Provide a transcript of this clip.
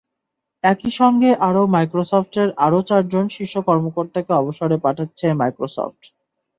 একই সঙ্গে আরও মাইক্রোসফটের আরও চারজন শীর্ষ কর্মকর্তাকে অবসরে পাঠাচ্ছে মাইক্রোসফট।